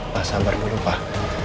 pak sabar dulu pak